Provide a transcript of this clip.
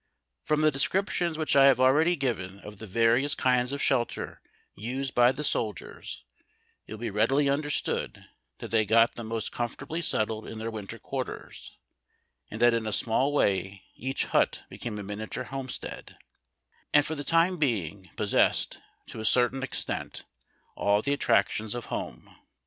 From the descriptions which I have already given of the various kinds of shelter used by the soldiers it will be read ily understood that they got the most comfortably settled in their winter quarters, and that in a small way each hut became a miniature homestead, and for the time being pos sessed, to a certain extent, all the attractions of home.